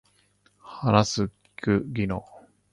話す聞く技能